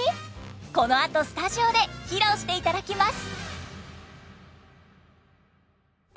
このあとスタジオで披露していただきます。